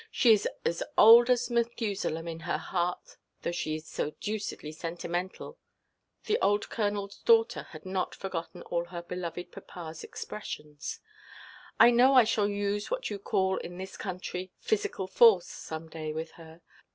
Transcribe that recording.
She is as old as Methusalem in her heart, though she is so deucedly sentimental"—the old Colonelʼs daughter had not forgotten all her beloved papaʼs expressions—"I know I shall use what you call in this country 'physical force,' some day, with her.